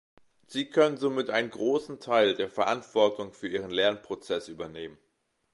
Sie können somit einen großen Teil der Verantwortung für ihren Lernprozess übernehmen.